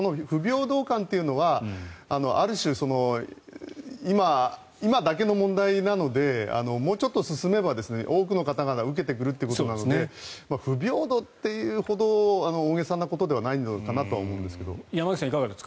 ただこの不平等感というのはある種、今だけの問題なのでもうちょっと進めば多くの方が受けてくるということなので不平等というほど大げさなものではないのかなと思うんですけど。